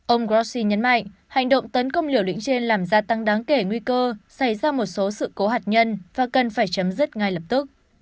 ông grassi nhấn mạnh hành động tấn công liều lĩnh trên làm gia tăng đáng kể nguy cơ xảy ra một số sự cố hạt nhân và cần phải chấm dứt ngay lập tức